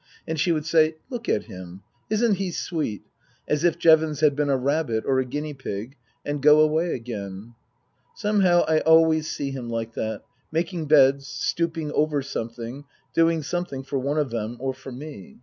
And she would say, " Look at him. Isn't he sweet ?" as if Jevons had been a rabbit or a guinea pig, and go away again. Somehow I always see him like that, making beds, stooping over something, doing something for one of them or for me.